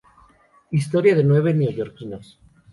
Historia de nueve neoyorquinos.